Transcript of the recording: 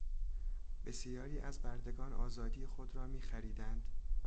بسیاری از بردگان آزادی خود را میخریدند.